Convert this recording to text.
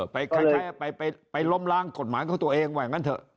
ไปค่านไปล้มร่างกฎหมายของตัวเองไปงั้นเถอะ